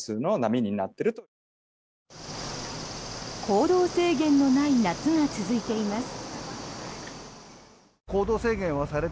行動制限のない夏が続いています。